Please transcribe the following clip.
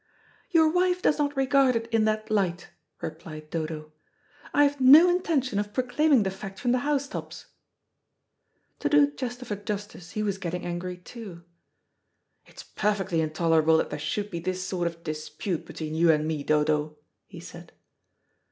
"Your wife does not regard it in that light," replied Dodo. "I have no intention of proclaiming the fact from the housetops." To do Chesterford justice he was getting angry too. "It's perfectly intolerable that there should be this sort of dispute between you and me, Dodo," he said.